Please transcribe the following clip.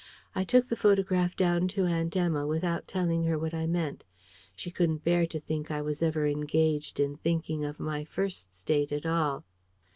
I took the photograph down to Aunt Emma, without telling her what I meant. She couldn't bear to think I was ever engaged in thinking of my First State at all.